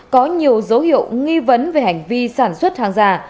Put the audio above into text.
có nhiều dấu hiệu nghi vấn về hành vi sản xuất hàng giả